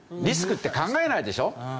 リスクって考えないでしょ？